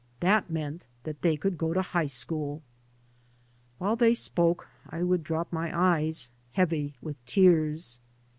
That meant that they could go to high school. While they spoke I would drop my eyes, heavy with tears.